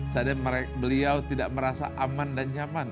seandainya beliau tidak merasa aman dan nyaman